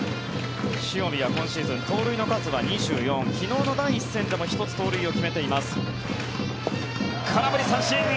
塩見は今シーズン盗塁の数は２４昨日の第１戦でも１つ盗塁を決めています。